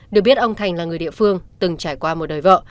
được biết ông thành là người địa phương từng trải qua một đời vợ